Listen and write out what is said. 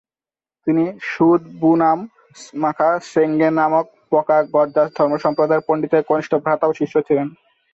তিনি শুদ-বু-নাম-ম্খা'-সেং-গে নামক ব্কা'-গ্দাম্স ধর্মসম্প্রদায়ের পণ্ডিতের কনিষ্ঠ ভ্রাতা ও শিষ্য ছিলেন।